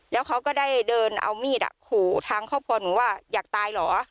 แล้วเขาก็ได้เดินเอามีดขู่ทางครอบครัวหนูว่าอยากตายเหรอ